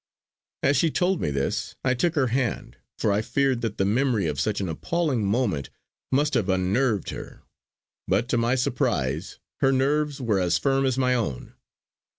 As she told me this, I took her hand for I feared that the memory of such an appalling moment must have unnerved her; but to my surprise her nerves were as firm as my own.